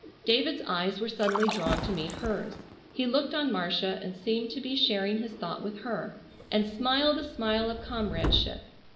David's eyes were suddenly drawn to meet hers. He looked on Marcia and seemed to be sharing his thought with her, and smiled a smile of comradeship.